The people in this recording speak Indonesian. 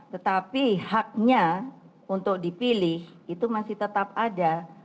tetapi haknya untuk dipilih itu masih tetap ada